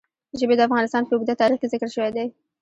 ژبې د افغانستان په اوږده تاریخ کې ذکر شوی دی.